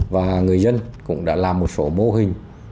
và người dân cũng đã làm một số mô hình